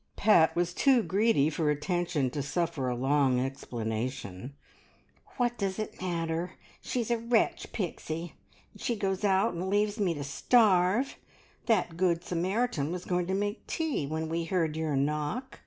Pat was too greedy for attention to suffer a long explanation. "What does it matter? She's a wretch, Pixie, and she goes out and leaves me to starve. That good Samaritan was going to make tea when we heard your knock."